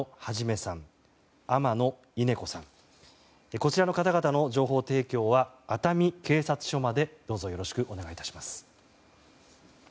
こちらの方々の情報提供は熱海警察署までどうぞよろしくお願い致します。